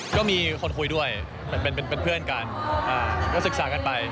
การติดตามท่องเที่ยวอะไรอย่างงี้